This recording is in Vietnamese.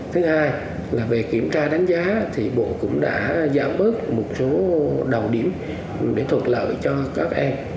thứ hai là về kiểm tra đánh giá thì bộ cũng đã giảm bớt một số đầu điểm để thuận lợi cho các em